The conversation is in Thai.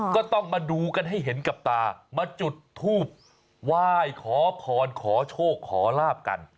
ก็ต้องมาดูกันให้เห็นกับตามาจุดทูบไหว้ขอพรขอโชคขอลาบกัน